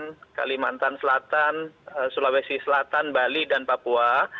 kalimantan selatan sulawesi selatan bali dan papua